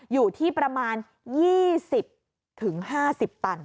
อยู่ที่ประมาณ๒๐๕๐ตัน